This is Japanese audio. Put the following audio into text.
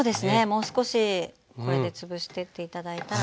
もう少しこれで潰してって頂いたらと思います。